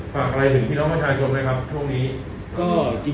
ฝากอะไรหนึ่งพี่น้องพระชาญชมคะช่วงนี้